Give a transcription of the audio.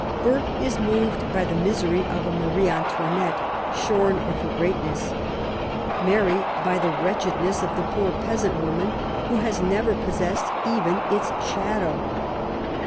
Burke is moved by the misery of a Marie Antoinette, shorn of her great ness ; Mary, by the wretchedness of the poor peasant woman who has never possessed even its shadow.